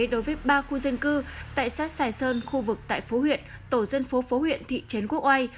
đối với ba khu dân cư tại xã sài sơn khu vực tại phố huyện tổ dân phố phố huyện thị trấn quốc oai